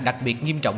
đặc biệt nghiêm trọng